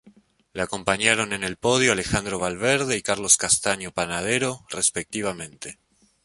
Le acompañaron en el podio Alejandro Valverde y Carlos Castaño Panadero respectivamente.